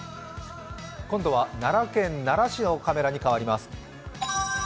今度は奈良県奈良市のカメラに変わります。